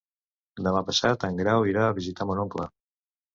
Demà passat en Grau irà a visitar mon oncle.